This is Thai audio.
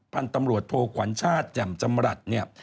พันธุ์ตำรวจโทขวัญชาติแจ่มจำรัฐเนี่ย